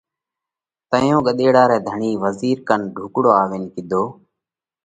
تئيون ڳۮيڙا رئہ ڌڻِي وزِير ڪنَ ڍُوڪڙو آوينَ ڪِيڌو: